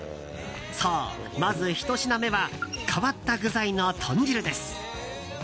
そう、まずひと品目は変わった具材の豚汁です。